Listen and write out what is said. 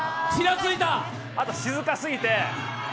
あと静かすぎて。